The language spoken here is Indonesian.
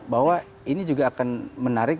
bahwa ini juga akan menarik